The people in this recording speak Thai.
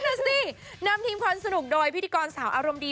นั่นสินำทีมความสนุกโดยพิธีกรสาวอารมณ์ดี